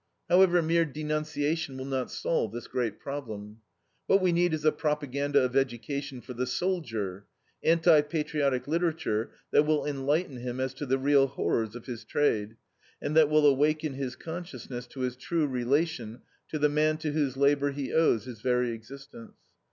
However, mere denunciation will not solve this great problem. What we need is a propaganda of education for the soldier: anti patriotic literature that will enlighten him as to the real horrors of his trade, and that will awaken his consciousness to his true relation to the man to whose labor he owes his very existence.